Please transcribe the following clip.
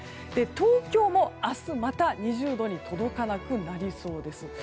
東京も、明日はまた２０度に届かなくなりそうです。